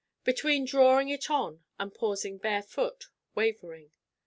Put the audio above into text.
Between drawing it on and pausing barefoot, Wavering.